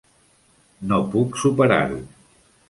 No puc superar-ho.